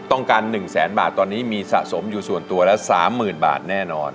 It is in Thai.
ต้องการ๑แสนบาทตอนนี้มีสะสมอยู่ส่วนตัวละ๓๐๐๐บาทแน่นอน